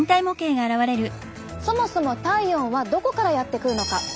そもそも体温はどこからやってくるのか？